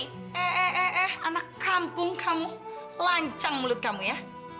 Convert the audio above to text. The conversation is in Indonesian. eh eh eh eh anak kampung kamu lancang mulut kamu ya